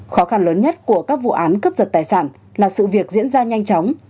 khó khăn lớn nhất của các vụ án cướp giật tài sản là sự việc diễn ra nhanh chóng